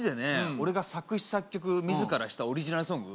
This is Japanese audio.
俺が作詞作曲自らしたオリジナルソング